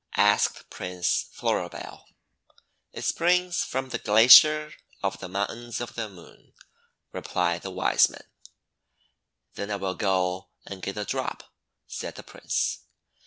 asked Prince Floribel. "It springs from the Glacier of the Moun tains of the Moon," replied the Wisemen. "Then I will go and get a drop," said the Prince.